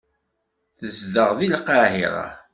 Tzedɣeḍ deg Lqahira.